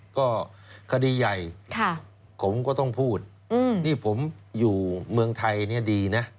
ก็คดีใหญ่ผมก็ต้องพูดนี่ผมอยู่เมืองไทยเนี่ยดีนะ